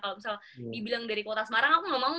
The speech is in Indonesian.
kalau misal dibilang dari kota semarang aku nggak mau